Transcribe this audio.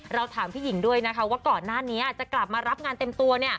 ถามพี่หญิงด้วยนะคะว่าก่อนหน้านี้จะกลับมารับงานเต็มตัว